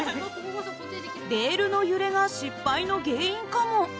レールの揺れが失敗の原因かも。